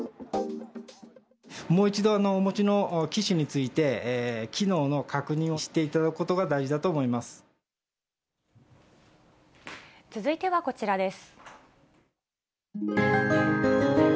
もう一度、お持ちの機種について、機能の確認をしていただくことが大事だと続いてはこちらです。